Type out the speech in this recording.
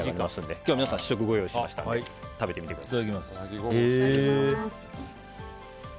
今日は試食ご用意しましたので食べてみてください。